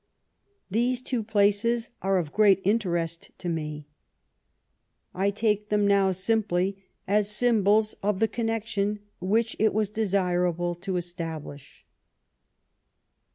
These two places are of great interest to me. I take them now simply as symbols of the connection which it was desirable to establish."